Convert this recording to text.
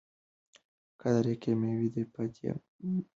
قدر کېمیا دی په دې دیار کي